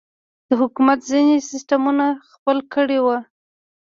د حکومت ځينې سسټمونه خپل کړي وو.